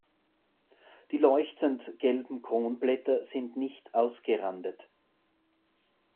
Die leuchtend gelben Kronblätter sind nicht ausgerandet.